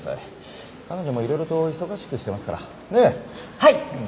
はい！